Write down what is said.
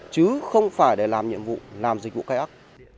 chứ không phải để làm nhiệm vụ làm dịch vụ cái ắc